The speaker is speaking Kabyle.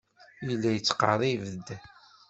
Yella yettqerrib-d.